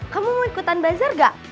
kamu mau ikutan bazar gak